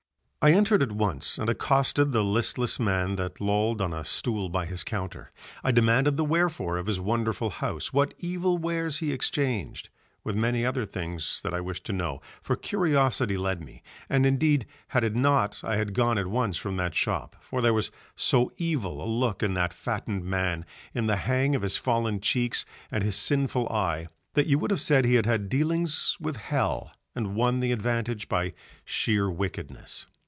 I entered at once and accosted the listless man that lolled on a stool by his counter. I demanded the wherefore of his wonderful house, what evil wares he exchanged, with many other things that I wished to know, for curiosity led me; and indeed had it not I had gone at once from that shop, for there was so evil a look in that fattened man, in the hang of his fallen cheeks and his sinful eye, that you would have said he had had dealings with Hell and won the advantage by sheer wickedness.